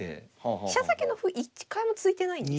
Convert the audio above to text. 飛車先の歩一回も突いてないんです。